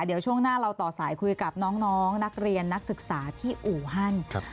เดี๋ยวช่วงหน้าเราต่อสายคุยกับน้องนักเรียนนักศึกษาที่อู่ฮั่น